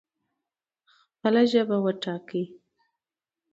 خپله ژبه وټاکئ